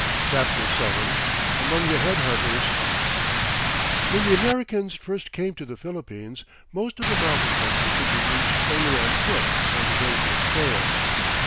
CHAPTER VII AMONG THE HEAD HUNTERS When the Americans first came to the Philippines, most of the mountain country could be reached only on foot over dangerous trails.